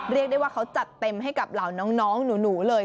เรียกได้ว่าเขาจัดเต็มให้กับเหล่าน้องหนูเลย